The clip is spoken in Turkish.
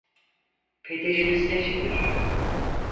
Pederiniz necidir?